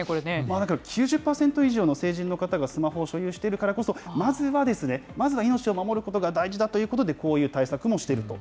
だから９０％以上の成人の方がスマホを所有しているからこそ、まずは、まずは命を守ることが大事だということで、こういう対策もしていると。